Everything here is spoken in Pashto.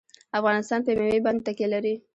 افغانستان په مېوې باندې تکیه لري.